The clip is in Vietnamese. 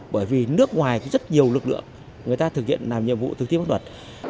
bởi vì nước ngoài có rất nhiều lực lượng người ta thực hiện làm nhiệm vụ thực thi pháp luật